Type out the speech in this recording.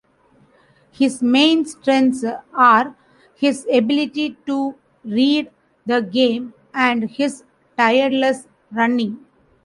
His main strengths are his ability to read the game and his tireless running.